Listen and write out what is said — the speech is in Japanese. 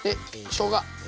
しょうが！